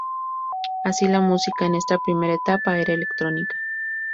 Así, la música en esta primera etapa era electrónica.